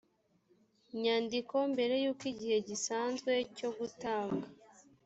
nyandiko mbere y uko igihe gisanzwe cyo gutanga